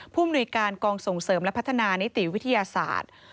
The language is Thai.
มนุยการกองส่งเสริมและพัฒนานิติวิทยาศาสตร์